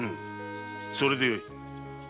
それでよい。